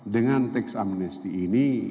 dengan teks amnesti ini